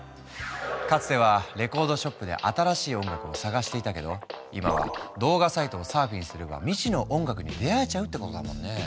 かつてはレコードショップで新しい音楽を探していたけど今は動画サイトをサーフィンすれば未知の音楽に出会えちゃうってことだもんね。